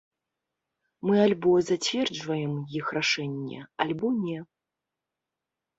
Мы альбо зацверджваем іх рашэнне, альбо не.